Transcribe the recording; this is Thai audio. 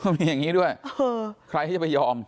มีอย่างนี้ด้วยใครที่จะไปยอม